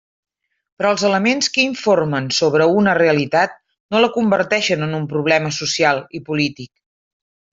Però els elements que informen sobre una realitat no la converteixen en un problema social i polític.